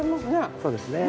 そうですね。